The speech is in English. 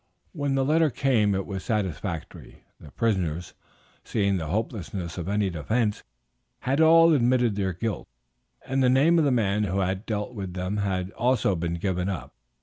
When the letter came it was satisfactory. The prisoners, seeing the hopelessness of any defense, had all admitted their guilt, and the name of the man who had dealt with them had also been given up.